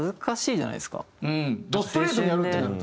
どストレートにやるってなるとね。